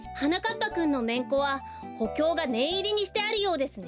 ぱくんのめんこはほきょうがねんいりにしてあるようですね。